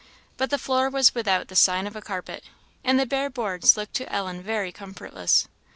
But the floor was without the sign of a carpet, and the bare boards looked to Ellen very comfortless.